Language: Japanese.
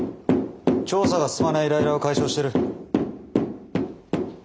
調査が進まないイライラを解消してる。